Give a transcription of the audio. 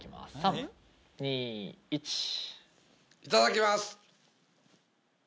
いただきます。